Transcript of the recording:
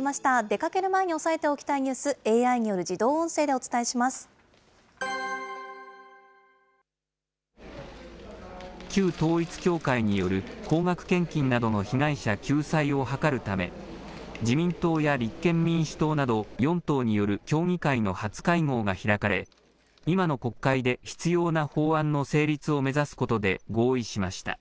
出かける前に押さえておきたいニュース、ＡＩによる自動音声でお旧統一教会による高額献金などの被害者救済を図るため、自民党や立憲民主党など４党による協議会の初会合が開かれ、今の国会で必要な法案の成立を目指すことで合意しました。